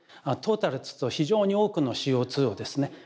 トータルですと非常に多くのＣＯをですね